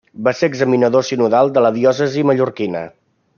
Va ser examinador sinodal de la diòcesi mallorquina.